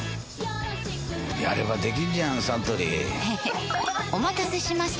やればできんじゃんサントリーへへっお待たせしました！